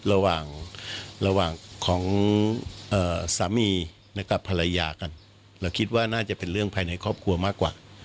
ระหว่างระหว่างของสามีนะครับกับภรรยากันเราคิดว่าน่าจะเป็นเรื่องภายในครอบครัวมากกว่า